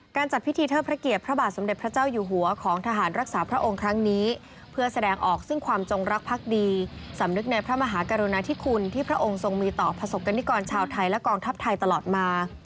จัดพิธีเทิดพระเกียรติพระบาทสมเด็จพระเจ้าอยู่หัวของทหารรักษาพระองค์ครั้งนี้เพื่อแสดงออกซึ่งความจงรักพักดีสำนึกในพระมหากรุณาธิคุณที่พระองค์ทรงมีต่อประสบกรณิกรชาวไทยและกองทัพไทยตลอดมา